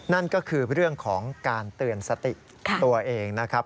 นั่นก็คือเรื่องของการเตือนสติตัวเองนะครับ